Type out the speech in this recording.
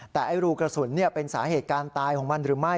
แต่รูกระสุนเป็นสาเหตุการตายของมันหรือไม่